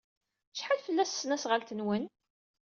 Acḥal fell-as tesnasɣalt-nwen?